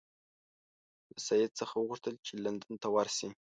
له سید څخه وغوښتل چې لندن ته ورشي.